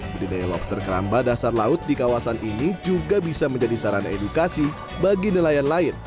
budidaya lobster keramba dasar laut di kawasan ini juga bisa menjadi sarana edukasi bagi nelayan lain